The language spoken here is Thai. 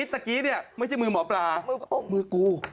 มักรีรมือแล้ว